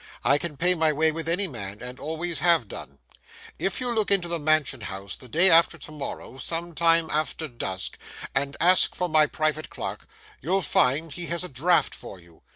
I can pay my way with any man, and always have done. If you look into the Mansion House the day after to morrow,—some time after dusk,—and ask for my private clerk, you'll find he has a draft for you.